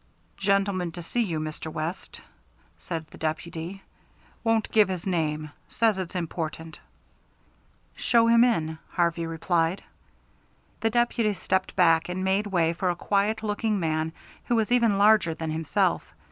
"Gentleman to see you, Mr. West," said the deputy. "Won't give his name. Says it's important." "Show him in," Harvey replied. The deputy stepped back and made way for a quiet looking man who was even larger than himself.